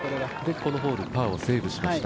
このホール、パーをセーブしました。